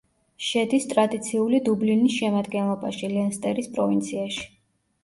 შედის ტრადიციული დუბლინის შემადგენლობაში, ლენსტერის პროვინციაში.